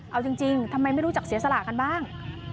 เอาจริงทำไมไม่รู้จักเสียสละกันบ้าง